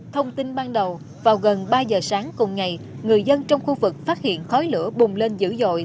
thông tin ban đầu vào gần ba giờ sáng cùng ngày người dân trong khu vực phát hiện khói lửa bùng lên dữ dội